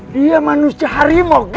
dia manusia harimau g